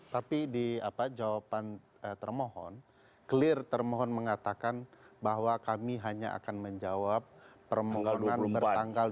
tapi di jawaban termohon clear termohon mengatakan bahwa kami hanya akan menjawab permohonan bertanggal dua puluh empat mei